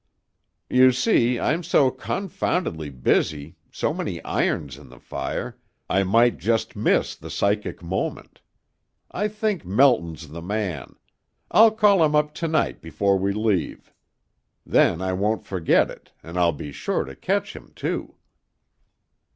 "You see, I'm so confoundedly busy, so many irons in the fire, I might just miss the psychic moment. I think Melton's the man I'll call him up to night before we leave. Then I won't forget it and I'll be sure to catch him too."